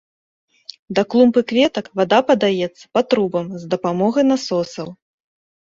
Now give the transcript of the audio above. Да клумб і кветак вада падаецца па трубам з дапамогай насосаў.